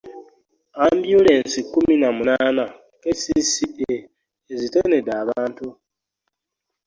Ambyulensi kkuminamunaana KCCA ezitonedde abantu